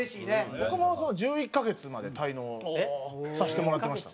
僕も１１カ月まで滞納させてもらってました。